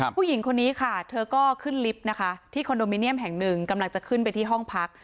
ผู้หญิงคนนี้ค่ะเธอก็ขึ้นลิฟต์นะคะที่คอนโดมิเนียมแห่งหนึ่งกำลังจะขึ้นไปที่ห้องพัก